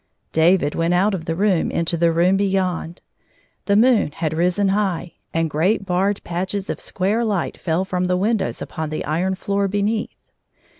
David went out of the room into the room beyond. The moon had risen high, and great barred patehes of square Ught feU from the windows upon the iron floor beneath.